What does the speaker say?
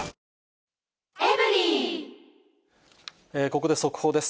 ここで速報です。